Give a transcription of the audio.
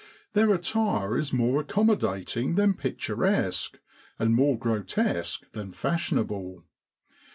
Their attire is more accommodating than picturesque, and more grotesque than fashionable.